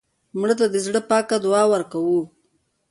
مړه ته د زړه پاکه دعا ورکوو